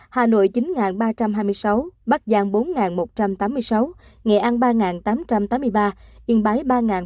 hà nội chín ba trăm hai mươi sáu bắc giang bốn một trăm tám mươi sáu nghệ an ba tám trăm tám mươi ba yên bái ba bảy trăm chín mươi năm